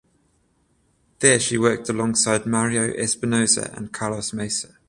There she worked alongside Mario Espinoza and Carlos Mesa.